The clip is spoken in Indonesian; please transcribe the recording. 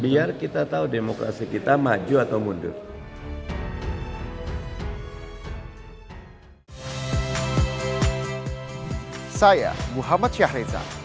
biar kita tahu demokrasi kita maju atau mundur